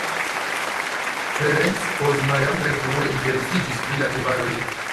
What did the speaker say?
Ferenc Kozma jam tre frue interesiĝis pri la ĉevaloj.